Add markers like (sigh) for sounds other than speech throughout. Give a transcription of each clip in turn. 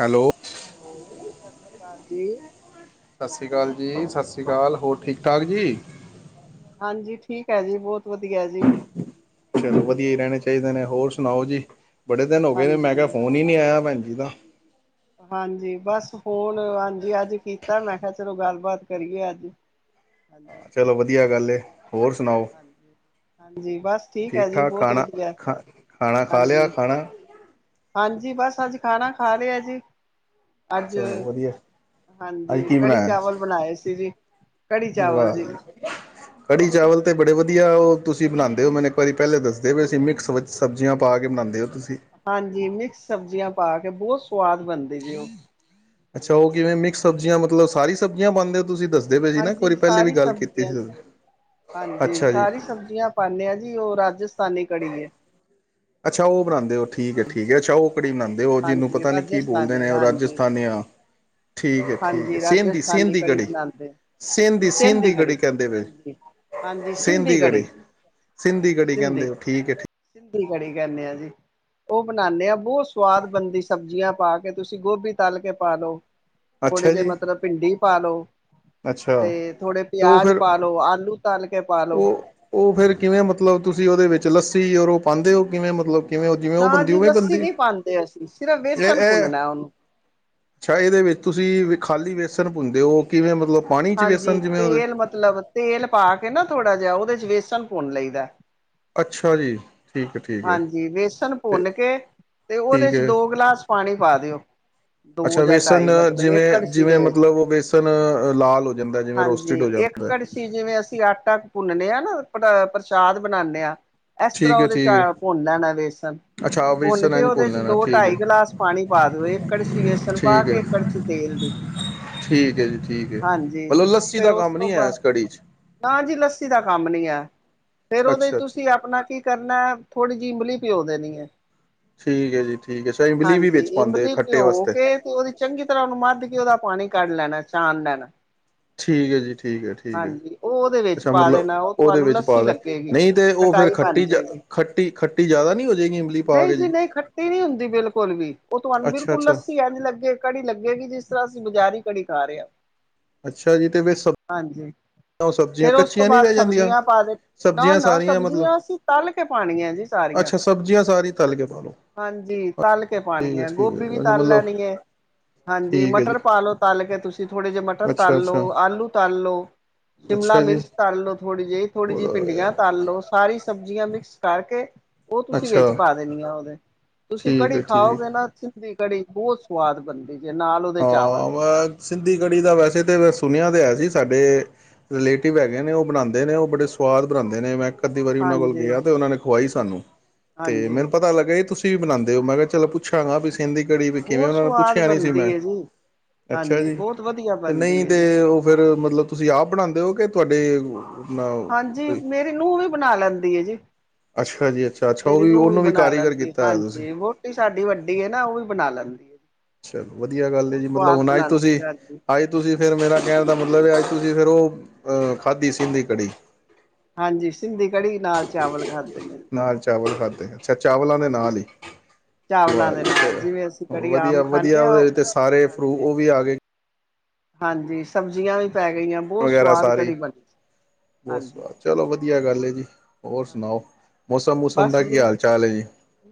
Hello. ਹਾਂਜੀ, ਸਸ੍ਰੀ ਕਾਲ ਜੀ। ਸਸ਼੍ਰੀ ਕਾਲ ਜੀ, ਸਸ਼੍ਰੀ ਕਾਲ, ਹੋਰ ਠੀਕ-ਠਾਕ ਜੀ? ਹਾਂਜੀ, ਠੀਕ ਹੈ ਜੀ, ਬੋਹਤ ਵਧੀਆ ਜੀ। ਚਲੋ ਵਦੀਆ ਈ ਰੈਣੇ ਚਾਈਦੇ ਨੇ ਹੋਰ ਸੁਨਾਓ ਜੀ, ਬੜੇ ਦਿਨ ਹੋ ਗਏ ਨੇ, ਮੈਂ ਹਾਂਜੀ ਕੇਆ ਫੋਨ ਈ ਨੀ ਆਏਆ ਭੈਨ ਜੀ ਦਾ। ਹਾਂਜੀ, ਬਾੱਸ ਫੋਨ ਹਾਂਜੀ ਆੱਜ ਕੀਤਾ ਮੈਂ ਕੇਆ ਚਲੋ ਗਾਲਬਾਤ ਕਰੀਏ ਆੱਜ। ਹਾਂਜੀ। ਚਲੋ ਵਧੀਆ ਗੱਲ ਏ। ਹੋਰ ਸੁਨਾਓ ਹਾਂਜੀ ਹਾਂਜੀ ਬਸ ਠੀਕ ਹੈ ਜੀ ਠੀਕ-ਠਾਕ ਬਹੁਤ ਖਾਣਾ ਵਧੀਆ ਖਾ ਖਾਣਾ ਖਾ ਲੇਆ, ਹਾਂਜੀ ਖਾਣਾ? ਹਾਂਜੀ ਬਾਸ ਆੱਜ ਖਾਣਾ ਖਾ ਲੇਆ ਜੀ। ਅੱਜ ਚਲੋ ਵਦੀਐ। ਹਾਂਜੀ ਕੜੀ ਚਾਵਲ ਬਣਾਏ ਸੀ ਜੀ, ਕੜੀ ਚਾਵਲ ਜੀ। ਕੜੀ ਚਾਵਲ ਤੇ ਹਾਂਜੀ ਬੜੇ ਵਦੀਆ ਓ ਤੁਸੀਂ ਬਨਾਂਦੇ ਓ ਮੈਨ ਇੱਕ ਵਾਰੀ ਪੈਹਲੇ ਦੱਸਦੇ ਪੇਸੀ ਮਿਕਸ ਵਿਚ ਸਬਜ਼ੀਆਂ ਪਾ ਕੇ ਬਨਾਂਦੇ ਓ ਤੂਸੀ। ਹਾਂਜੀ ਮਿਕਸ ਸਬਜ਼ੀਆਂ ਪਾ ਕੇ ਬੋਤ ਸਵਾਦ ਬਨਦੀ ਜੇ ਓ। ਅੱਛਾ ਓ ਕਿਵੇਂ ਮਿਕਸ ਸਬਜ਼ੀਆਂ ਮਤਲਬ ਸਾਰੀ ਸਬਜ਼ੀਆਂ ਪਾਂਦੇ ਓ ਤੂਸੀ ਦੱਸ ਜਿਵੇਂ ਕਿ ਨਾ ਇਕ ਹਾਂਜੀ ਵਾਰੀ ਪੈਹਲੇ ਵੀ ਸਾਰੀ ਗਾੱਲ ਕੀਤੀ ਸਬਜ਼ੀਆਂ ਸੀ, ਅੱਛਾ ਜੀ। ਪਾੱਨੇ ਆ ਜੀ ਓ ਰਾਜਸਥਾਨੀ ਕੜੀ ਏ। ਅੱਛਾ ਓ ਬਨਾਂਦੇ ਓ ਠੀਕੇ, ਠੀਕੇ, ਅੱਛਾ ਓ ਕੜੀ ਬਨਾਂਦੇ ਓ ਜਿਨੂੰ ਹਾਂਜੀ ਪਤਾ ਨੀ ਕੀ ਬੋਲਦੇ ਰਾਜਸਥਾਨੀ ਨੇ, ਓ ਹਾਂਜੀ ਰਾਜਸਥਾਨੀ ਆ ਠੀਕੇ, ਠੀਕੇ ਹਾਂਜੀ ਸਿੰਦੀ, ਰਾਜਸਥਾਨੀ ਸਿੰਦੀ ਕੜੀ। ਬਣਾਉਂਦੇ ਸਿੰਦੀ, ਸਿੰਧੀ ਸਿੰਦੀ ਕੜੀ ਕੈਂਦੇ ਵੇ ਹਾਂਜੀ ਹਾਂਜੀ ਸਿੰਧੀ ਸਿੰਦੀ ਕੜੀ। ਸਿੰਦੀ ਹਾਂਜੀ ਕੜੀ ਕੈਂਦੇ ਸਿੰਧੀ ਓ ਠੀਕੇ, ਠੀਕ। ਸਿੰਧੀ ਕੜੀ ਕੈੱਨੇ ਆ ਜੀ। ਓ ਬਨਾਨੇ ਆਂ ਬੋਤ ਸਵਾਦ ਬਨਦੀ ਸਬਜ਼ੀਆਂ ਪਾ ਕੇ ਤੂਸੀ ਗੋਭੀ ਤਾੱਲ ਕੇ ਪਾ ਲੋ ਥੋੜੇ ਅੱਛਾ ਜੇ ਜੀ ਮਤਲਬ ਭਿੰਡੀ ਪਾ ਲੋੋ ਤੇ ਥੋੜੇ ਉਹ ਪੇਆਜ ਫਿਰ ਪਾਲੋ, ਆਲੂ ਤਾੱਲ ਕੇ ਪਾਲ ਲੋ ਓ ਫੇਰ ਕਿਵੇਂ ਮਤਲਬ, ਤੂਸੀ ਓਦੇ ਵਿੱਚ ਲੱਸੀ ਔਰ ਓ ਪਾਂਦੇ ਓ, ਕਿਵੇਂ ਮਤਲਬ? ਕਿਵੇਂ ਓ ਜਿਵੇਂ ਓ ਨਾ ਬਨਦੀ ਜੀ ਉਵੇਂ ਲੱਸੀ ਬਨਦੀ ਨਹੀਂ ਪਾਉਂਦੇ ਅਸੀਂ ਸਿਰਫ ਯਾ ਵੇਸਣ ਐ ਭੁੰਨਣਾ ਉਹਨੂੰ ਅੱਛਾ ਇਹਦੇ ਵਿੱਚ ਤੂਸੀ ਖਾਲੀ ਵੇਸਨ ਭੁਨਦੇ ਓ, ਕਿਵੇਂ ਮਤਲਬ ਪਾਣੀ ਚ ਹਾਂਜੀ ਵੇਸਨ ਜਿਵੇਂ ਉਦੇ ਤੇਲ ਮਤਲਬ ਤੇਲ ਪਾ ਕੇ ਨਾ ਥੋੜਾ ਜਾ ਓਦੇ ਚ ਵੇਸਨ ਭੂੱਨ ਲਈ ਦੈ ਅੱਛਾ ਜੀ। ਠੀਕ ਹੈ ਠੀਕ ਹੈ ਹਾਂਜੀ, ਵੇਸਨ ਅਤੇ ਭੁੰਨ ਕੇ, ਤੇ ਓਦੇ ਠੀਕ ਚ ਹੈ ਦੋ ਗਲਾਸ ਪਾਣੀ ਪਾ ਦੇਓ ਅੱਛਾ ਵੇਸਨ ਜਿਵੇਂ, ਜਿਵੇਂ ਵਿੱਚ ਮਤਲਬ ਓ ਵੇਸਣ ਲਾਲ ਹੋ ਜਾਂਦੈ, ਜਿਵੇਂ ਰੋਸਟਿਡ ਹੋ ਜਾਂਦੈ। ਜੀ ਜਿਵੇਂ ਅਸੀ ਆਟਾ ਭੁੰਨਨੇ ਆ ਨਾ, ਪਰ ਪ੍ਰਸ਼ਾਦ ਬਨਾਂਦੇ ਆਂ, ਏਸ ਤਰਾਂ ਠੀਕ ਹੈ ਓਦੇ ਚ ਠੀਕ ਹੈ ਭੁੰਨ ਲੈਣੈ ਵੇਸਨ। ਅੱਛਾ ਭੁੰਨ ਵੇਸਨ ਕੇ ਇੰਝ ਉਹਦੇ ਚ ਲੈਣਾ ਦੋ ਠੀਕ ਹੈ ਢਾਈ ਗਲਾਸ ਪਾਣੀ ਪਾ ਦਿਉ। ਦੇ ਦੋ ਢਾਈ ਗ ਇੱਕ ਕੜਸੀ ਬੇਸਣ ਪਾ ਠੀਕ ਹੈ ਕੇ ਕੜਛੀ ਤੇਲ ਦੀ। ਠੀਕ ਹੈ ਜੀ। ਠੀਕ ਹੈ। ਹਾਂਜੀ ਮਤਲਬ ਉਹ ਲੱਸੀ ਫੇਰ ਦਾ ਉਸ ਕੰਮ ਤੋਂ ਨੀ ਹੈ ਬਾਅਦ ਇਸ ਕੜੀ 'ਚ। ਨਾ ਜੀ ਲੱਸੀ ਦਾ ਕੰਮ ਨੀ ਹੈ। ਫੇਰ ਉਹਦੇ' ਚ ਅੱਛਾ ਅੱਛਾ ਤੁਸੀਂ ਆਪਣਾ ਕੀ ਕਰਨਾ? ਥੋੜ੍ਹੀ ਜੀ ਇਮਲੀ ਭਿਉ ਦੇਣੀ ਐ। ਠੀਕ ਹੈ ਜੀ ਠੀਕ ਹੈ। ਅੱਛਾ ਇਮਲੀ ਵੀ ਹਾਂਜੀ ਵਿੱਚ ਪਾਉਂਦੇ ਇਮਲੀ ਖੱਟੇ ਭਿਉਂ ਵਾਸਤੇ। ਕੇ ਤੇ ਉਹਦੀ ਚੰਗੀ ਤਰ੍ਹਾਂ ਉਹਨੂੰ ਮੱਧ ਕੇ ਉਹਦਾ ਪਾਣੀ ਕੱਢ ਲੈਣਾ ਛਾਣ ਲੈਣਾ। ਠੀਕ ਹੈ ਜੀ ਠੀਕ ਹੈ ਠੀਕ ਹੈ। ਹਾਂਜੀ ਉਹ ਉਹਦੇ ਵਿੱਚ ਅੱਛਾ ਪਾ ਮਤਲਬ ਦੇਣਾ ਉਹ ਉਹਦੇ ਤੁਹਾਨੂੰ ਵਿੱਚ ਪਾ ਲੱਸੀ ਦੇਣ ਲੱਗੇਗੀ ਨਹੀਂ ਤੇ ਉਹ ਫੇਰ। ਖਟਾਈ ਬਣ ਖੱਟੀ ਜ ਜਾਏਗੀ। ਖੱਟੀ ਖੱਟੀ ਜ਼ਿਆਦਾ ਨਹੀਂ ਹੋ ਹੋਜੇਗੀ। ਨਹੀਂ ਜੀ ਨਹੀਂ ਖੱਟੀ ਨੀ ਹੁੰਦੀ ਬਿਲਕੁਲ ਵੀ। ਉਹ ਤੁਹਾਨੂੰ ਅੱਛਾ ਬਿਲਕੁਲ ਅੱਛਾ ਲੱਸੀ ਐਜ ਲੱਗੇ। ਕੜੀ ਲੱਗੇਗੀ ਜਿਸ ਤਰ੍ਹਾਂ ਅਸੀਂ ਬਜ਼ਾਰੀ ਕੜੀ ਖਾ ਰਹੇ ਹਾਂ। ਅੱਛਾ ਜੀ ਤੇ ਵਿੱਚ ਸਬ। ਹਾਂਜੀ। ਫੇਰ ਉਸ ਤੋਂ ਬਾਅਦ ਰਹਿ ਜਾਂਦੀਆਂ ਸਬਜ਼ੀਆਂ ਪਾ ਦੇ ਨਾ ਸਬਜ਼ੀਆਂ ਨਾ ਸਾਰੀਆਂ ਮਤਲਬ ਸਬਜ਼ੀਆਂ ਅਸੀਂ ਤਲ ਕੇ ਪਾਣੀਆਂ ਜੀ ਸਾਰੀ। ਅੱਛਾ ਸਬਜ਼ੀਆਂ ਸਾਰੀ ਤਲ ਕੇ ਪਾ ਲਓ। ਹਾਂਜੀ ਤਲ ਕੇ ਪਾਣੀ ਠੀਕ ਹੈ ਠੀਕ ਗੋਭੀ ਵੀ ਅੱਛਾ ਤਲ ਮਤਲਬ ਲੈਣੀ ਹੈ। ਹਾਂਜੀ ਠੀਕ ਹੈ ਜੀ ਮਟਰ। ਪਾ ਲੋ ਤਲ ਕੇ ਤੁਸੀਂ ਥੋੜੇ ਜਿਹੇ ਮ। ਮਟਰ ਅੱਛਾ ਤਲ ਲੋ, ਅੱਛਾ ਆਲੂ ਤਲ ਲੋ, ਸ਼ਿਮਲਾ ਅੱਛਾ ਜੀ ਮਿਰਚ ਤਲ ਲੋ, ਥੋੜ੍ਹੀ ਜਿਹੀ ਥੋੜ੍ਹੀ ਜਿਹੀ ਭਿੰਡੀਆਂ। ਤਲ ਲੋਂ। ਸਾਰੀ ਸਬਜ਼ੀਆਂ ਮਿਕਸ ਕਰਕੇ। ਉਹ ਤੁਸੀਂ ਵਿੱਚ ਅੱਛਾ ਪਾ ਦੇਣੀ ਆ ਉਹਦੇ। ਤੁਸੀਂ ਠੀਕ ਕੜੀ ਹੈ ਠੀਕ ਖਾਓਗੇ ਹੈ ਨਾ। ਦੀ ਕੜੀ ਬਹੁਤ ਸਵਾਦ ਬਣਦੀ। ਠੀਕ ਹੈ ਨਾਲ। ਉਹਦੇ ਚਾਵਲ ਹਾਂ। ਸਿੱਧੀ ਕੜੀ ਦਾ ਵੈਸੇ ਤਾਂ ਸੁਣਿਆ ਤਾਂ ਹੈ ਸੀ ਸਾਡੇ। ਰਿਲੇਟਿਵ ਹੈਗੇ ਨੇ। ਉਹ ਬਣਾਉਂਦੇ ਨੇ, ਉਹ ਬੜੇ ਸੁਆਦ ਬਣਾਉਂਦੇ ਨੇ ਮੈਂ। ਅੱਧੀ ਵਾਰੀ ਉਹਨਾਂ ਕੋਲ ਹਾਂਜੀ ਗਿਆ ਤੇ ਉਹਨਾਂ ਨੇ ਖੁਵਾਈ ਸਾਨੂੰ ਤੇ ਹਾਂਜੀ ਮੈਨੂੰ ਪਤਾ ਲੱਗਾ ਤੁਸੀਂ। ਤੁਸੀਂ ਵੀ ਬਣਾਉਂਦੇ ਹੋ। ਮੈਂ ਕਿਹਾ ਚੱਲ ਪੁੱਛਾਂਗਾ ਵੀ ਸਿੰਧੀ ਕੜੀ ਹਾਂਜੀ ਵੀ ਕਿਵੇਂ? ਬਹੁਤ ਉਹਨਾ ਨੂੰ ਸਵਾਦ ਪੁੱਛਿਆ ਨੀ ਸੀ ਬਣਦੀ ਮੈਂ। ਹੈ ਜੀ ਅੱਛਾ ਹਾਂਜੀ ਜੀ ਬਹੁਤ ਵਧੀਆ ਤੇ ਬਣਦੀ ਨਹੀਂ ਹੈ ਜੀ ਤੇ ਉਹ ਫੇਰ ਮਤਲਬ। ਤੁਸੀਂ ਆਪ ਬਣਾਉਂਦੇ ਹੋ ਕਿ ਤੁਹਾਡੇ? ਹਾਂਜੀ, ਕੋਈ ਮੇਰੀ ਨੂੰਹ ਵੀ ਬਣਾ ਲੈਂਦੀ ਹੈ ਜੀ। ਅੱਛਾ ਜੀ ਅੱਛਾ ਅੱਛਾ ਉਹ ਮੇਰੀ ਨੂੰਹ ਵੀ ਉਹਨੂੰ ਬਣਾ ਕਾਰੀਗਰ ਲੈਂਦੀ ਕੀਤਾ ਹੋਇਆ ਤੁਸੀਂ ਹਾਂਜੀ ਵੋ। ਸਾਡੀ ਵੱਡੀ ਹੈ ਨਾ ਉਹ ਵੀ ਬਣਾ ਲੈਂਦੀ। ਚਲੋ ਵਧੀਆ ਗੱਲ ਹੈ ਬਹੁਤ ਜੀ। ਮਤਲਬ ਸਵਾਦ ਹੁਣ ਆਏ ਤੁਸੀਂ ਬਣਾਉਂਦੀ ਹਾਂਜੀ ਆਏ। ਤੁਸੀਂ ਫੇਰ ਮੇਰਾ ਕਹਿਣ ਦਾ ਮਤਲਬ। ਅੱਜ ਤੁਸੀਂ ਫੇਰ ਉਹ ਅਹ ਖਾਧੀ ਸੀ ਦੀ ਕੜੀ। ਹਾਂਜੀ ਸਿੰਧੀ ਕੜੀ ਨਾਲ ਚਾਵਲ ਖਾਧੇ ਨੇ ਅੱਜ। ਨਾਲ ਚਾਵਲ ਖਾਧੇ ਅੱਛਾ ਚਾਵਲਾਂ ਦੇ ਨਾਲ ਹੀ। ਚਾਵਲਾਂ ਵਾਹ ਦੇ ਜੀ ਨਾਲ ਫੇਰ। ਜਿਵੇਂ ਅਸੀਂ ਕੜੀ ਆਮ ਵਧੀਆ ਖਾਂਦੇ ਵਧੀਆ ਹਾਂ ਉਹਦੇ ਤੇ ਸਾਰੇ ਫਰੂ ਹਾਂਜੀ ਉਹ ਵੀ ਆ ਗਏ। ਹਾਂਜੀ ਸਬਜ਼ੀਆਂ ਵੀ ਪੈ ਗਈਆਂ। ਬਹੁਤ ਵਗੈਰਾ ਸਵਾਦ ਸਾਰੇ ਕੜੀ ਬਣਦੀ ਬਹੁਤ ਹਾਂਜੀ। ਸਵਾਦ ਚਲੋ ਵਧੀਆ ਗੱਲ ਹੈ ਜੀ। ਹੋਰ ਸੁਣਾਓ। ਹਾਂਜੀ ਮੌਸਮ ਮੂਸਮ ਬਸ ਦਾ ਕੀ ਜੀ ਹਾਲ ਚਾਲ ਹੈ ਜੀ?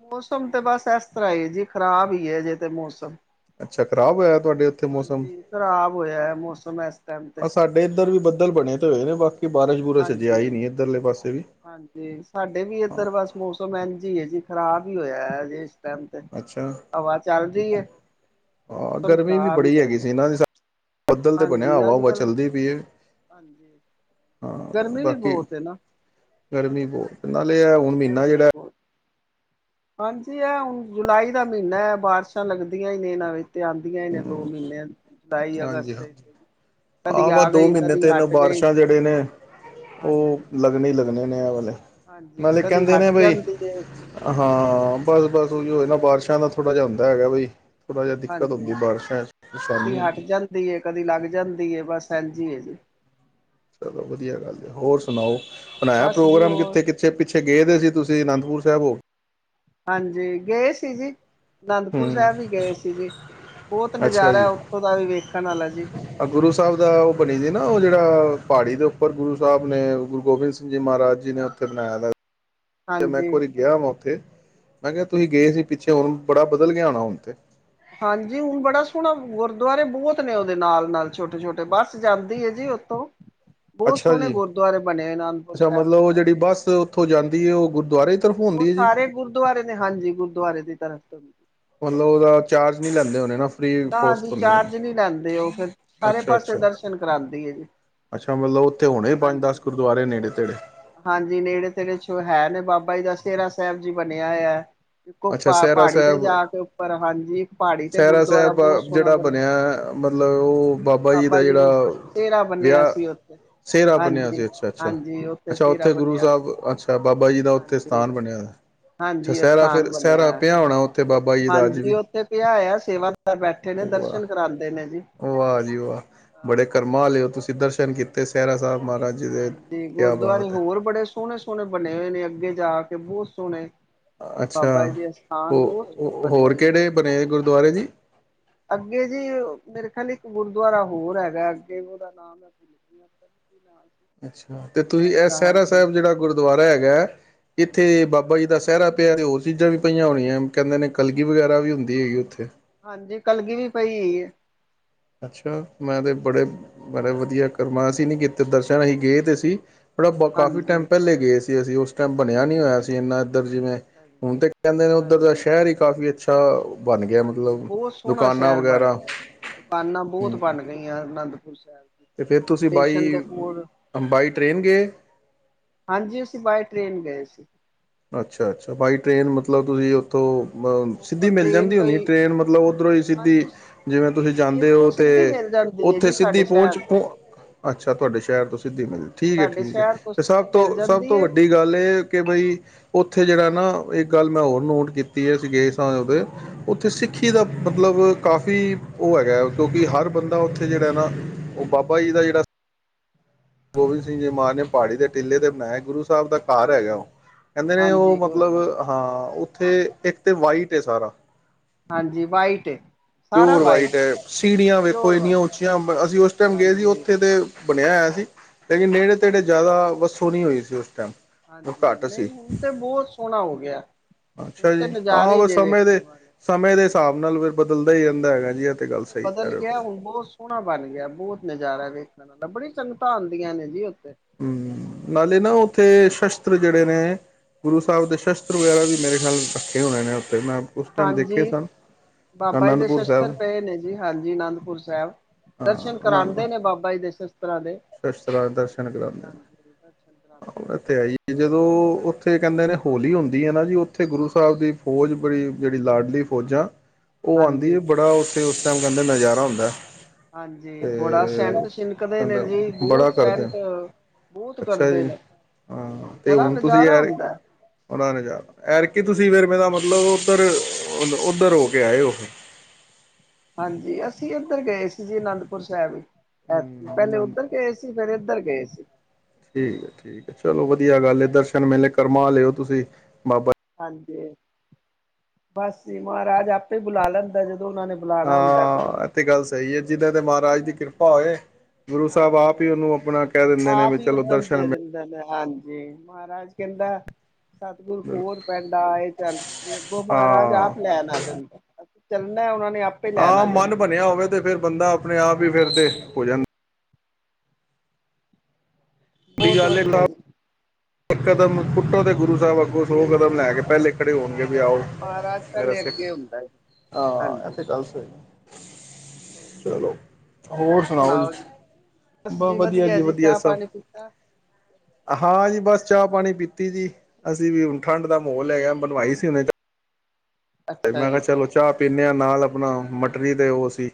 ਮੌਸਮ ਤੇ ਬਸ ਇਸ ਤਰ੍ਹਾਂ ਹੀ ਜੀ ਖ਼ਰਾਬ ਹੀ ਹੈ ਅਜੇ ਤੇ ਮੌਸਮ। ਅੱਛਾ ਖ਼ਰਾਬ ਹੋਇਆ ਤੁਹਾਡੇ ਉੱਥੇ ਮੌਸਮ ਹਾਂਜੀ ਖ਼ਰਾਬ ਹੋਇਆ ਮੌਸਮ ਇਸ ਟਾਈਮ ਤੇ। ਸਾਡੇ ਇੱਧਰ ਵੀ ਬੱਦਲ ਬਣੇ ਤੇ ਹੋਏ ਨੇ ਬਾਕੀ ਬਾਰਿਸ਼ ਬੁਰਿਸ਼ ਅਜੇ ਆਈ ਹਾਂਜੀ ਨੀ ਇੱਧਰਲੇ ਪਾਸੇ ਵੀ। ਹਾਂਜੀ ਸਾਡੇ ਵੀ ਹਾਂ ਇੱਧਰ ਬਸ ਮੌਸਮ ਇੰਝ ਹੀ ਹੈ ਜੀ। ਖਰਾਬ ਹੀ ਹੋਇਆ ਜੇ। ਟਮ ਤੇ ਅੱਛਾ ਹਵਾ ਚੱਲਦੀ ਏ। ਹਾਂ ਗਰਮੀ ਵੀ ਬੜੀ ਹੈਗੀ ਸੀ ਨਾ ਅੱਜ ਸਾ। ਬੱਦਲ ਤੇ ਬਣਿਆ ਹਾਂਜੀ ਹਵਾ ਅੱਜ ਹਵਾ ਕੱਲ ਚੱਲਦੀ ਪਈ ਏ। ਹਾਂਜੀ। ਹਾਂ ਗਰਮੀ ਵੀ ਬਾਕੀ ਬਹੁਤ ਹੈ ਨਾ ਗਰਮੀ ਬਹੁਤ। ਨਾਲੇ ਇਹ ਹੈ ਹਾਂ ਹੁਣ ਮਹੀਨਾ ਗਰਮੀ ਜਿਹੜਾ। ਬਹੁਤ ਹਾਂਜੀ ਹੈ ਹੁਣ ਜੁਲਾਈ ਦਾ ਮਹੀਨਾ ਹੈ। ਬਾਰਿਸ਼ਾਂ ਲੱਗਦੀਆਂ ਹੀ ਨੇ ਇਹਨਾਂ ਵਿੱਚ ਆਉਂਦੀਆਂ ਹੀ ਨੇ ਦੋ ਮਹੀਨਿਆਂ। ਜੁਲਾਈ ਅਗਸਤ ਤੇ। ਆਹ ਵਾ ਦੋ ਮਹੀਨੇ ਤਿੰਨ ਗਈ ਬਾਰਿਸ਼ਾਂ ਜਿਹੜੇ ਨੇ ਉਹ ਹਾਂਜੀ ਲ। ਲੱਗਣੇ ਲੱਗਣੇ ਨੇ ਆ ਵਾਲੇ ਹਾਂਜੀ ਨਾਲੇ ਕਦੇ ਕਹਿੰਦੇ ਨੇ ਹਟ ਬਈ ਜਾਂਦੀ ਏ! ਹਾਂ ਬਸ ਬਸ ਉਹੀਓ ਨਾ ਬਾਰਸ਼ਾਂ ਦਾ ਥੋੜਾ ਜਿਹਾ ਹੁੰਦਾ ਹੈਗਾ ਬਈ ਥੋੜ੍ਹਾ ਜਿਹਾ ਦਿੱਕਤ ਹੁੰਦੀ ਬਾਰਿਸ਼ਾਂ ਚ ਸਾਨੂੰ ਏ ਕਦੀ ਲੱਗ ਜਾਂਦੀ ਬਸ ਇੰਝ ਆ ਜੀ। ਚਲੋ ਵਧੀਆ ਗੱਲ ਹੋਰ ਸੁਣਾਓ ਹਾਂਜੀ ਬਣਾਇਆ ਬਸ ਜੀ ਪ੍ਰੋਗਰਾਮ ਹੋਰ ਕਿੱਥੇ ਕਿੱਥੇ ਪਿੱਛੇ ਪਿੱਛੇ ਗਏ ਦੇ ਸੀ ਤੁਸੀਂ ਅਨੰਦਪੁਰ ਸਾਹਿਬ। ਹਾਂਜੀ ਗਏ ਸੀ ਜੀ। ਅਨੰਦਪੁਰ ਸਾਹਿਬ ਵੀ ਹੂੰ ਗਏ ਸੀ ਜੀ ਬਹੁਤ ਅੱਛਾ ਜੀ ਨਜ਼ਾਰਾ ਉੱਥੋਂ ਦਾ ਵੀ ਵੇਖਣ ਵਾਲਾ ਜੀ। ਗੁਰੂ ਸਾਹਿਬ ਦਾ ਉਹ ਬਣੀ ਸੀ ਨਾ ਉਹ ਜਿਹੜਾ ਪਹਾੜੀ ਦੇ ਉੱਪਰ ਗੁਰੂ ਸਾਹਿਬ ਨੇ ਗੁਰੂ ਗੋਬਿੰਦ ਸਿੰਘ ਜੀ ਮਹਾਰਾਜ ਜੀ ਨੇ। ਬਣਾਇਆ ਦਾ। ਤੇ ਮੈਂ ਇੱਕ ਹਾਂਜੀ ਵਾਰੀ ਗਿਆ ਵਾ ਉੱਥੇ ਮੈਂ ਕਿਹਾ ਤੁਸੀਂ ਗਏ ਸੀ ਪਿੱਛੇ ਹੁਣ ਬੜਾ ਬਦਲ ਗਿਆ ਹੋਣਾ ਹੁਣ ਤੇ। ਹਾਂਜੀ, ਹੁਣ ਬੜਾ ਸੋਹਣਾ ਗੁਰਦੁਆਰੇ ਬਹੁਤ ਨੇ ਉਹਦੇ ਨਾਲ ਨਾਲ ਛੋਟੇ ਛੋਟੇ ਬਸ ਜਾਂਦੀ ਹੈ ਜੀ ਉੱਥੋਂ ਬਹੁਤ ਅੱਛਾ ਸੋਹਣੇ ਜੀ ਗੁਰਦੁਆਰੇ ਬਣੇ ਅਨੰਦਪੁਰ ਸਾਹਿਬ ਤੋਂ ਹਾਂਜੀ। ਬਸ ਹੋ ਜਾਂਦੀ ਹੈ ਉਹ ਗੁਰਦੁਆਰੇ। ਤਰਫੋਂ ਉਹ ਹੁੰਦੀ ਹੈ ਜੀ ਸਾਰੇ ਗੁਰਦੁਆਰੇ ਨੇ ਹਾਂਜੀ ਗੁਰਦੁਆਰੇ ਦੀ ਤਰਫ਼ ਤੋਂ ਵੀ ਮਤਲਬ ਉਹਦਾ ਚਾਰਜ ਨੀ ਲੈਂਦੇ ਹੋਣੇ ਨਾ। ਫ੍ਰਰੀ ਨਾ ਜੀ ਕੋਸਟ ਹੁੰਦੀ ਹੋਣੀ ਚਾਰਜ ਨੀ ਲੈਂਦੇ ਉਹ ਫਿਰ ਸਾਰੇ ਅੱਛਾ ਪਾਸੇ ਅੱਛਾ ਦਰਸ਼ਨ ਕਰਉਂਦੀ ਆ ਜੀ। ਅੱਛਾ ਮਤਲਬ ਉੱਥੇ ਹੋਣੇ ਪੰਜ ਦਸ ਹਾਂਜੀ ਗੁਰਦੁਆਰੇ ਨੇੜੇ ਤੇੜੇ। ਹਾਂਜੀ, ਨੇੜੇ ਤੇੜੇ ਚ ਹੈ ਨੇ ਬਾਬਾ ਜੀ ਦਾ ਸੇਹਰਾ ਸਾਹਿਬ ਜੀ ਬਣਿਆ ਹੋਇਆ। ਪ ਅੱਛਾ ਸਹਿਰਾ ਪਹਾੜੀ ਤੇ ਸਾਹਿਬ ਜਾ ਕੇ ਉੱਪਰ ਹਾਂਜੀ ਇੱਕ ਪਹਾੜੀ ਤੇ ਗੁ ਸਹਿਰਾ ਸਾਹਿਬ ਜਿਹੜਾ ਬਣਿਆ ਮਤਲਬ ਉਹ ਬਾਬਾ ਜੀ ਦਾ ਜਿਹੜਾ ਤੇਰਾਂ ਬੰਨਿਆ ਵਿਆਹ ਸੀ ਉੱਥੇ ਸਿਹਰਾ ਬਣਿਆ ਹਾਂਜੀ ਸੀ ਅੱਛਾ ਅੱਛਾ ਹਾਂਜੀ, ਉੱਥੇ ਅੱਛਾ ਸੇਰਾ ਗੁਰੂ ਬੰਨਿਆ ਸੀ ਸਾਹਿਬ ਅੱਛਾ ਬਾਬਾ ਜੀ ਦਾ ਉੱਥੇ ਹਾਂਜੀ। ਸਥਾਨ ਬਣਿਆ ਹੋਇਆ ਅੱਛਾ ਹਾਂਜੀ, ਸਿਹਰਾ ਅਥਾਨ ਫਿਰ ਬਣਿਆ ਸਿਹਰਾ ਹੈ ਪਿਆ ਹੋਣਾ ਉੱਥੇ ਬਾਬਾ ਜੀ ਦਾ ਅੱਜ ਹਾਂਜੀ ਵੀ ਉਹ ਥੇ ਪਿਆਆ ਸੇਵਾਦਾਰ ਬੈਠੇ ਨੇ ਦਰਸ਼ਨ ਕਰਾਉਂਦੇ ਨੇ ਜੀ। ਆ ਜੀ ਵਾਹ ਬੜੇ ਹਾਂਜੀ ਕਰਮਾ ਲੇਓ ਤੁਸੀਂ ਦਰਸ਼ਨ ਕੀਤੇ ਹਾਂਜੀ ਸਹਿਰਾ ਸਾਹਿਬ ਮਹਾਰਾਜ ਜੀ ਦੇ ਹਾਂਜੀ ਕਿਆ ਗੁਰਦੁਆਰੇ ਬਾਤ ਹੈ ਹੋਰ ਬੜੇ ਸੋਹਣੇ ਸੋਹਣੇ ਬਣੇ ਹੋਏ ਨੇ ਅੱਗੇ ਜਾ ਕੇ ਬਹੁਤ ਸੋਹਣੇ ਅੱਛਾ ਬਾਬਾ ਜੀ ਦੇ ਹੋ ਅਸਥਾਨ ਬਹੁਤ ਸੋਹਣੇ ਬਣੇ ਹੋਰ ਹੋਏ ਨੇ ਕਿਹੜੇ ਬਣੇ ਗੁਰਦੁਆਰੇ ਜੀ? ਅੱਗੇ ਜੀ ਮੇਰੇ ਖਿਆਲ ਇੱਕ ਗੁਰਦੁਆਰਾ ਹੋਰ ਹੈਗਾ ਅੱਗੇ ਉਹਦਾ ਨਾਮ ਹੈ ਕੀ ਨਾਲ ਸੀ ਅੱਛਾ ਤੇ ਤੁਸੀਂ ਗੁਰਦੁਆਰੇ ਇਹ ਦਾ ਸੇਹਰਾ ਹਾਂਜੀ ਸਾਹਿਬ ਜਿਹੜਾ ਗੁਰਦੁਆਰਾ ਹੈਗਾ ਹਾਂਜੀ ਇੱਥੇ ਬਾਬਾ ਜੀ ਦਾ ਸੇਹਰਾ ਪਿਆ ਤੇ ਹੋਰ ਚੀਜ਼ਾਂ ਵੀ ਪਈਆਂ ਹੋਣੀਆਂ ਕਹਿੰਦੇ ਨੇ ਕਲਗੀ ਵਗੈਰਾ ਵੀ ਹੁੰਦੀ ਹੈਗੀ ਉੱਥੇ ਹਾਂਜੀ ਕਲਗੀ ਵੀ ਪਈ। ਅੱਛਾ ਮੈਂ ਤੇ ਬੜੇ ਬੜਾ ਵਧੀਆ ਕਰਮਾਨ ਸੀ ਨ ਹਾਂਜੀ ਕਿਤੇ ਬਹੁਤ ਦਰਸ਼ਨ ਅਸੀਂ ਸੋਹਣਾ ਗਏ ਤੇ ਸੀ। ਬੜਾ ਕਾਫੀ ਟਾਈਮ ਹਾਂਜੀ ਪਹਿਲੇ ਗਏ ਸੀ ਅਸੀਂ ਉਸ ਟਾਈਮ ਬਣਿਆ ਨ ਹਾਂਜੀ ਹੋਇਆ ਸੀ ਇੰਨਾ ਇੱਧਰ ਜਿਵੇਂ। ਅੱਛਾ ਜੀ ਹੁਣ ਤੇ ਕਹਿੰਦੇ ਨੇ ਉੱਧਰ ਦਾ ਹਾਂਜੀ ਸ਼ਹਿਰ ਹੀ ਕਾਫੀ ਅੱਛਾ। ਅੱਛਾ ਬਣ ਗਿਆ ਹਾਂਜੀ ਮਤਲਬ ਦੁਕਾਨਾਂ ਵਗੈਰਾ। ਬਾਨਾਂ ਬਹੁਤ ਬਣ ਗਈਆਂ ਅਨੰਦਪੁਰ ਸਾਹਿਬ। ਦੀ। ਅਤੇ ਫਿਰ ਤੁਸੀਂ ਸਟੇਸ਼ਨ ਬਾਈ ਦੇ ਕੋਲ ਬਾਈ ਟਰੇਨ ਗਏ। ਹਾਂਜੀ, ਅਸੀਂ ਬਾਏ ਟ੍ਰੇਨ ਗਏ ਸੀ। ਅੱਛਾ, ਅੱਛਾ ਬਾਈਟ ਟ੍ਰੇਨ ਹਾਂਜੀ ਮਤਲਬ ਤੁਸੀਂ ਉੱਥੋਂ ਉੱਥੋਂ ਸਿੱਧੀ ਮਿਲ ਟ੍ਰੇਨ ਜਾਂਦੀ ਤੋਂ ਹੋਣੀ ਹੀ ਟ੍ਰੇਨ ਮਤਲਬ ਉੱਧਰੋਂ ਹੀ ਸਿੱਧੀ। ਹਾਂਜੀ ਜਿਵੇਂ ਤੁਸੀਂ ਜਾਂਦੇ ਇੱਥੋਂ ਹੋ ਤੇ ਸਿੱਧੀ ਮਿਲ ਜਾਂਦੀ ਹੈ ਉੱਥੇ ਜੀ ਸਾਡੇ ਸਿੱਧੀ ਸ਼ਹਿਰ ਪਹੁੰਚ ਤੋਂ ਪਹ ਅੱਛਾ, ਤੁਹਾਡੇ ਸ਼ਹਿਰ ਤੋਂ ਸਿੱਧੀ ਮਿਲਦੀ ਹਾਂਜੀ ਠੀਕ ਹੈ ਸਾਡੇ ਠੀਕ ਹੈ ਸ਼ਹਿਰ ਤੋਂ ਤੇ ਸਭ ਸਥਿਤੀ ਮਿਲ ਤੋਂ ਸਭ ਜਾਂਦੀ ਤੋਂ ਹੈ ਵੱਡੀ। ਗੱਲ ਇਹ ਕਿ ਬਈ ਉੱਥੇ ਜਿਹੜਾ ਨਾ ਇੱਕ ਗੱਲ ਮੈਂ ਹੋਰ ਨੋਟ ਕੀਤੀ ਹੈ ਸੀਗੇਏ ਸ ਉਹਦੇ, ਉੱਥੇ ਸਿੱਖੀ ਹਾਂਜੀ ਦਾ ਮਤਲਬ ਕਾਫ਼ੀ ਉਹ ਹੈਗਾ ਕਿਉਂਕਿ ਹਰ ਬੰਦਾ ਉੱਥੇ ਜਿਹੜਾ ਨਾ ਉਹ ਬਾਬਾ ਜੀ ਦਾ ਜਿਹੜਾ। ਗੋਬਿੰਦ ਸਿੰਘ ਜੀ ਮਹਾਰਜ ਨੇ ਪਹਾੜੀ ਦੇ ਟਿੱਲੇ ਤੇ ਬਣਾਇਏ ਗੁਰੂ ਸਾਹਿਬ ਦਾ। ਘਰ ਹੈਗਾ ਹਾਂਜੀ ਉਹ ਕਹਿੰਦੇ ਨੇ ਉਹ ਮਤਲਬ ਹਾਂ ਉੱਥੇ ਇੱਕ ਤੇ ਵਾਈਟ ਸਾਰਾ। ਹਾਂਜੀ ਵਾਈਟ ਪਿਓਰ ਵਾਈਟ ਹੈ ਸੀੜੀਆਂ ਵੇਖੋ ਪਿਓਰ ਇੰਨੀਆਂ ਵਾਈਟ ਉੱਚੀਆਂ ਅਸੀਂ ਉਸ ਟਾਈਮ ਗਏ ਸੀ ਹਾਂਜੀ ਉੱਥੇ ਦੇ। ਬਣਿਆ ਹੋਇਆ ਸੀ ਲੇਕਿਨ ਨੇੜੇ ਤੇੜੇ ਜ਼ਿਆਦਾ ਵੱਸੋਂ ਨਹੀਂ ਹੋਈ ਸੀ ਉਸ ਟਾਈਮ ਹਾਂਜੀ, ਘੱਟ ਨਹੀਂ ਸੀ ਹੁਣ ਤੇ ਬਹੁਤ ਸੋਹਣਾ ਹੋ ਗਿਆ। ਹੁਣ ਅੱਛਾ ਤੇ ਜੀ, ਨਜ਼ਾਰੇ ਆਹ ਜੇ ਸਮੇ ਵੇਖਣ ਦੇ ਵਾਲੇ ਸਮੇਂ ਦੇ ਹਿਸਾਬ ਨਾਲ ਫ ਚੱਲਦਾ ਹੀ ਰਹਿੰਦਾ ਹੈਗਾ ਜੀ ਇਹ ਤੇ ਗੱਲ ਸਹੀ ਕਰ ਰਹੇ ਉਹ ਸੋਣਾ ਬਣ ਗਿਆ ਬਹੁਤ ਨਜ਼ਾਰਾ ਵੇਖਣ ਵਾਲਾ ਬੜੀ ਸੰਗਤਾਂ ਆਉਂਦੀਆਂ ਨੇ ਜੀ ਉੱਥੇ। ਹੂੰ, ਨਾਲੇ ਨਾ ਉੱਥੇ ਸ਼ਸਤਰ ਜਿਹੜੇ ਨੇ ਗੁਰੂ ਸਾਹਿਬ ਦੇ ਸ਼ਸਤਰ ਵਗੈਰਾ ਵੀ ਮੇਰੇ ਖਿਆਲ ਰੱਖੇ ਹੋਣੇ ਨੇ ਉੱਥ ਤੇ ਮੈ ਉਸ ਟਾਈਮ ਦੇਖੇ ਹਾਂਜੀ ਸਨ, ਅਨੰਦਪੁਰ ਸਾਹਿਬ। ਹਾਂਜੀ-ਹਾਂਜੀ ਅਨੰਦਪੁਰ ਸਾਹਿਬ ਹਾਂ ਦਰਸ਼ਨ ਕਰਾਉਂਦੇ ਨੇ ਬਾਬਾ ਜੀ ਦੇ ਸ਼ਸਤਰਾਂ ਦੇ। ਸ਼ਸਤ੍ਹਾਂ ਦੇ ਦਰਸ਼ਨ ਕਰਾਉਂਦੇ ਹਾਂਜੀ ਦਰਸ਼ਨ ਕਰਾਉਂਦੇ ਨੇ ਨੇ ਅ ਤੇ ਹੈਈ। ਜਦੋਂ ਉੱਥੇ ਕਹਿੰਦੇ ਨੇ ਹੋਲੀ ਹੁੰਦੀ ਏ ਨਾ ਜੀ ਉੱਥੇ ਗੁਰੂ ਸਾਹਿਬ ਦੀ ਫੌਜ ਬੜੀ ਜਿਹੜੀ ਲਾਡਲੀ ਫੌਜਾਂ ਉਹ ਆਉਂਦੀ ਏ ਹਾਂਜੀ ਬੜਾ ਉੱਥੇ ਉਸ ਟਾਈਮ ਨਜ਼ਾਰਾ ਹੁੰਦਾ। ਹਾਂਜੀ ਬੜਾ ਤੇ ਸੈਂਟ ਛਿਨਕਦੇ ਨੇ ਕਹਿੰਦਾ ਜੀ ਬੜਾ ਬਹੁਤ ਕਰਦੇ ਸੈਂਟ ਬਹੁਤ ਅੱਛਾ ਕਰਦੇ ਜੀ ਨੇ ਹਾਂ ਹਾਂਜੀ ਤੇ ਬੜਾ ਹੁਣ ਤੁਸੀਂ ਨਜ਼ਾਰਾ ਯਾਰੀ ਹੁੰਦਾ ਉਹਨਾਂ ਨੇ ਜਾ ਐਤਕੀ ਤੁਸੀਂ ਫੇਰ ਮੇਰਾ ਮਤਲਬ ਉੱਧਰ ਉੱਧਰ ਹੋ ਕੇ ਆਏ ਹੋ। ਹਾਂਜੀ ਅਸੀਂ ਇੱਧਰ ਗਏ ਸੀ ਜੀ ਅਨੰਦਪੁਰ ਸਾਹਿਬ ਹੂੰ ਪਹਿਲੇ ਉੱਧਰ ਅਨੰਦਪੁਰ ਗਏ ਸਾਹਿਬ ਸੀ। ਫੇਰ ਇੱਧਰ ਗਏ ਸੀ। ਠੀਕ ਹੈ-ਠੀਕ ਹੈ ਚਲੋ ਵੱਧੀਆ ਗੱਲ ਏ ਹਾਂਜੀ ਦਰਸ਼ਨ ਮਿਲੇ ਕਰਮਾ ਵਾਲੇ ਓ ਤੁਸੀਂ ਬਾਬਾ ਹਾਂਜੀ ਬਸ ਜੀ ਮਹਾਰਾਜ ਆਪੇ ਬੁਲਾ ਲੈਂਦਾ ਜਦੋਂ ਉਹਨਾਂ ਨੇ ਬੁਲਾਣਾ ਹੁੰਦਾ ਗੁਰੂ ਹਾਂ ਨੇ ਏ ਤੇ ਗੱਲ ਸਹੀ ਏ ਜਿੱਦੇ ਤੇ ਮਾਂ ਰਾਜ ਦੀ ਹਾਂਜੀ ਕਿਰਪਾ ਹੋਏ ਗੁਰੂ ਸਾਹਿਬ ਆਪ ਹੀ ਹਾਂਜੀ ਉਹਨੂੰ ਆਪਣਾ ਕਹਿ ਦਿੰਦੇ ਨੇ ਵੀ ਆਪ ਹੀ ਚਲੋ ਉੱਦਮ ਦਰਸ਼ਨ ਦੇ ਮਿਲ ਦਿੰਦੇ ਹਾਂਜੀ ਮਹਾਰਾਜ ਕਹਿੰਦਾ। ਸਤਿਗੁਰੂ ਕੋ ਬਿਲਕੁਲ ਪਿੰਡ ਆਏ ਚੱਲ ਜ ਅੱਗੋ ਮਹਾਰਾਜ ਹਾਂ ਆਪ ਲੈਣ ਆ ਚੱਲਦਾ। ਚੱਲਣਾ ਉਹਨਾ ਨੇ ਆਪ ਹਾਂ, ਮਨ ਬਣਿਆ ਹੋਵੇ ਤੇ ਫੇਰ ਬੰਦਾ ਆਪਣੇ ਆਪ ਹੀ ਫਿਰਦੇ ਹਾਂਜੀ ਹੋ ਜਾਂਦਾ। ਵੱਡੀ ਬਹੁਤ ਗੱਲ ਹੈ ਤਾਂ ਵਧੀਆ ਇੱਕ ਕਦਮ ਪੁੱਟੋ ਤੇ ਗੁਰੂ ਸਾਹਿਬ ਅੱਗੋਂ ਸੌ ਕਦਮ ਲੈ ਕੇ ਪਹਿਲੇ ਖੜੇ ਹੋਣਗੇ ਵੀ ਆਓ ਹਾਂ ਮਹਾਰਾਜ ਮੇਰਾ ਪਹਿਲੇ ਸਿੱਖ ਅੱਗੇ ਹੁੰਦਾ ਜੀ ਹਾਂ ਇਹ ਹਾਂਜੀ ਤੇ ਗੱਲ ਸਹੀ ਸਹੀ। ਚਲੋ ਹੋਰ ਸੁਣਾਓ ਜੀ। ਬਸ ਵੱਧੀਆ ਵਧੀਆ ਜੀ ਵੱਧੀਆ ਚਾਹ ਸਭ। ਪਾਣੀ ਪੀਤਾ ਹਾਂ ਜੀ ਬਸ ਚਾਹ ਪਾਣੀ ਪੀਤੀ ਜੀ ਅਸੀਂ ਵੀ ਹੁਣ ਠੰਢ ਦਾ ਮਾਹੌਲ ਹੈਗਾ, ਬਣਵਾਈ ਸੀ ਹੁਣੇ ਚਾ ਤੇ ਅੱਛਾ ਮੈਂ ਕਿਹਾ ਜੀ ਚਲੋ ਚਾਹ ਪੀਨੇ ਆ ਨਾਲ ਆਪਣਾ ਮਟਰੀ ਤੇ ਉਹ ਸੀ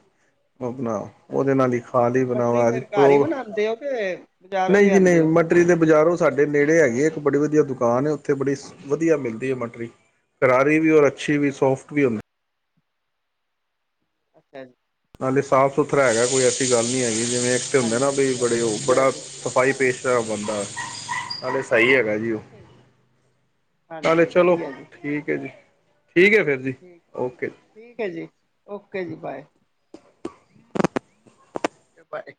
ਉਹ ਬਣਾ ਅੱਛਾ ਉਹਦੇ ਜੀ ਨਾਲ ਹੀ ਖਾ ਤੇ ਲਈ ਮਟਰੀ ਬਣਾਵਾਦੀ ਫੇਰ ਘਰ ਪ੍ਰੋ ਹੀ ਬਣਾਉਂਦੇ ਹੋ ਤੇ ਬਜ਼ਾਰੋਂ ਨਹੀਂ ਜੀ ਲਿਆਂਦੇ ਨਹੀਂ ਹੋ ਮਟ ਮਟਰੀ ਦੇ ਬਾਜ਼ਾਰੋਂ ਸਾਡੇ ਨੇੜੇ ਹੈਗੀ ਏ ਇੱਕ ਬੜੀ ਵੱਧੀਆ ਦੁਕਾਨ ਏ ਉੱਥੇ ਬੜੀ ਵੱਧੀਆ ਮਿਲਦੀ ਏ ਮਟਰੀ। ਕਰਾਰੀ ਵੀ ਔਰ ਅੱਛੀ ਵੀ ਸੋਫਟ ਵੀ ਹੁੰਦੀ। (unintelligible) ਨਾਲੇ ਸਾਫ਼ ਠੀਕ ਸੁਥਰਾ ਹੈਗਾ ਕੋਈ ਐਸੀ ਗੱਲ ਨਹੀਂ ਹੈਗੀ ਜਿਵੇਂ ਇੱਕ ਤੇ ਹੁੰਦੇ ਨਾ ਹਾਂਜੀ ਬਈ ਬੜੇ ਚਲੋ ਉਹ ਵਧੀਆ ਬੜਾ ਜੀ ਸਫ਼ਾਈ ਪੇਸ਼ਟ ਦਾ ਬੰਦਾ ਨਾਲੇ ਸਹੀ ਹੈਗਾ ਹਾਂਜੀ ਜੀ ਉਹ। ਠੀਕ ਹੈ ਨਾਲੇ ਹਾਂਜੀ ਚਲੋ ਵਧੀਆ ਜੀ ਠੀਕ ਹੈ ਜੀ ਠੀਕ ਹੈ ਫਿਰ ਜੀ ਠੀਕ ਓਕੇ ਜੀ। ਠੀਕ ਹੈ ਜੀ ਓਕੇ ਜੀ ਬਾਏ-ਬਾਏ।